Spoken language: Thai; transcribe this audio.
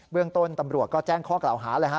เบื้องต้นตำรวกก็แจ้งข้อกล่าวหา